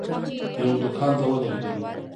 یوه دوکان ته ودرېدو.